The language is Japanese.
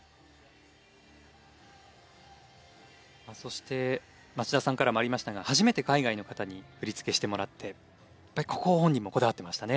そして町田さんからもありましたが初めて海外の方に振り付けしてもらってやっぱりここ本人もこだわってましたね。